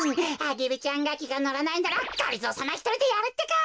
アゲルちゃんがきがのらないならがりぞーさまひとりでやるってか！